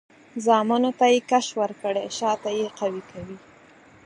زامنو ته یې کش ورکړی؛ شاته یې قوي کوي.